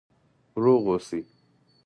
روغ اوسئ؟